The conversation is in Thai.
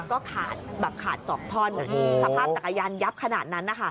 ก็ขาดแบบขาดสองท่อนสภาพจักรยานยับขนาดนั้นนะคะ